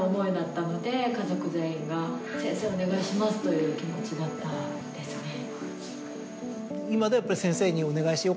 先生お願いしますという気持ちだったですね。